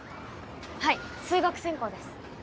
はい数学専攻です。